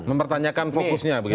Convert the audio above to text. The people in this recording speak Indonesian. mempertanyakan fokusnya begitu